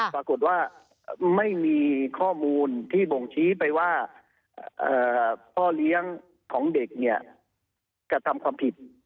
ปรากฏว่าไม่มีข้อมูลที่บ่งชี้ไปว่าพ่อเลี้ยงของเด็กเนี่ยกระทำความผิด